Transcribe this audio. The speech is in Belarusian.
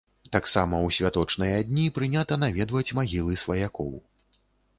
Таксама ў святочныя дні прынята наведваць магілы сваякоў.